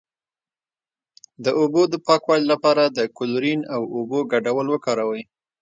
د اوبو د پاکوالي لپاره د کلورین او اوبو ګډول وکاروئ